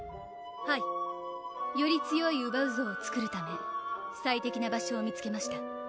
はいより強いウバウゾーを作るため最適な場所を見つけました